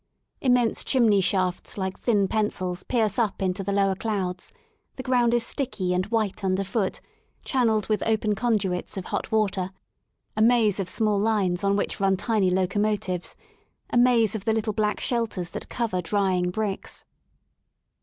Immense chimney shafts like thin pencils pierce up into the lower clouds; the ground is sticky and white under foot, channelled with open conduits of hot water, a maze of small lines on which run tiny locomotives, a maze of the little black shelters that cover drying bricks.